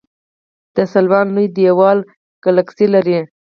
د سلوان لوی دیوال ګلکسي لري.